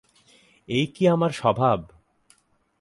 এই কি আমার স্বভাব?